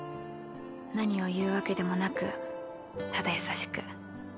何を言うわけでもなくただ優しく。